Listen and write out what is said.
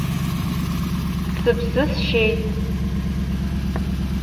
Сыԥсы сшьеит.